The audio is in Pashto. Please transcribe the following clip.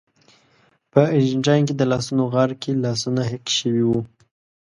په ارجنټاین کې د لاسونو غار کې لاسونه حک شوي وو.